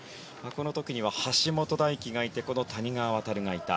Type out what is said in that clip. この時には橋本大輝がいてこの谷川航がいた。